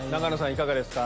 いかがですか？